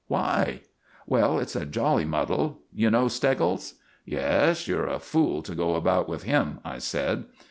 "Why?" "Well, it's a jolly muddle. You know Steggles?" "Yes, you're a fool to go about with him," I said.